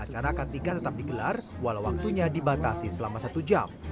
acara akan tika tetap digelar walau waktunya dibatasi selama satu jam